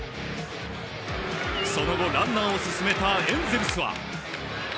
その後、ランナーを進めたエンゼルスは。